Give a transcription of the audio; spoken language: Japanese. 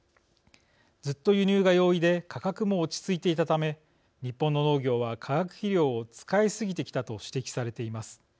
ずっと輸入が容易で価格も落ち着いていたため日本の農業は化学肥料を使いすぎてきたと指摘されています。